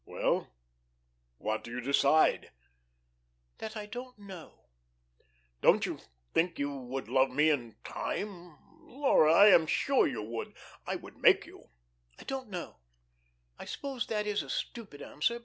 "Well, what do you decide?" "That I don't know." "Don't you think you would love me in time? Laura, I am sure you would. I would make you." "I don't know. I suppose that is a stupid answer.